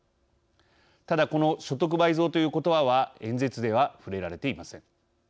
ただ、この所得倍増ということばは演説では触れられていません。